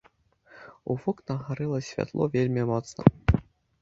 У вокнах гарэла святло вельмі моцна.